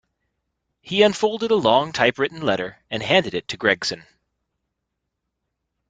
He unfolded a long typewritten letter, and handed it to Gregson.